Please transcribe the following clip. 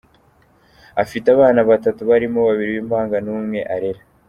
Afite abana batatu barimo babiri b’impanga n’umwe arera.